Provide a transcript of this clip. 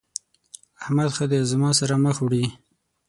احمد ښه دی زما سره مخ وړي.